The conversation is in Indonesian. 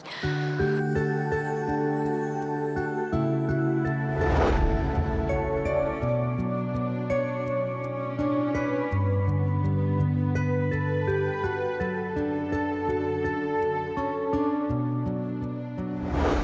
unusable untuk cukup unsuit